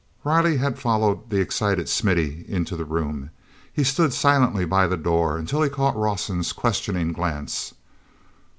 Riley had followed the excited Smithy into the room; he stood silently by the door until he caught Rawson's questioning glance.